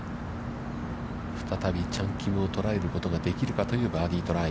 再びチャン・キムを捉えることができるかという、バーディートライ。